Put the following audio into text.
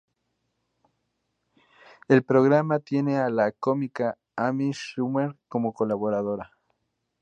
El programa tiene a la cómica Amy Schumer como colaboradora.